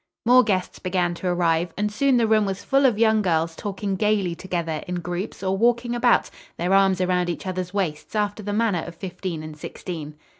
More guests began to arrive, and soon the room was full of young girls talking gayly together in groups or walking about, their arms around each other's waists after the manner of fifteen and sixteen.